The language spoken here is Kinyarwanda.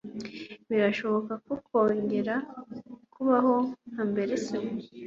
Birashobora kongera kubaho nka mbere se.